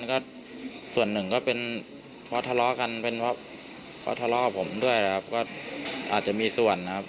ก็ส่วนหนึ่งก็เป็นเพราะทะเลาะกันเป็นเพราะทะเลาะกับผมด้วยครับก็อาจจะมีส่วนนะครับ